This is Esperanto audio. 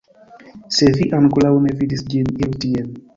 Se vi ankoraŭ ne vidis ĝin, iru tien